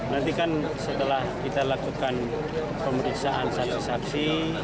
nanti kan setelah kita lakukan pemeriksaan saksi saksi